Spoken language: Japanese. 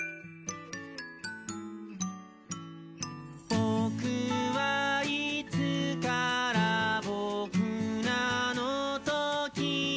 「ぼくはいつからぼくなのときみに」